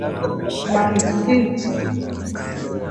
Mifugo iogeshwe mara kwa mara kuzuia maambukizi